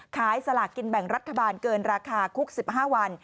ขายสลากกินแบ่งรัฐบาลเกินราคาคุกสิบห้าวัน